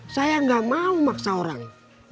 saya gak mau maksa orang